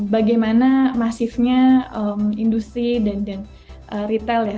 bagaimana masifnya industri dan retail ya